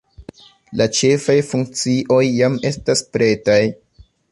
La ĉefaj funkcioj jam estas pretaj.